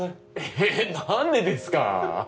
えなんでですか？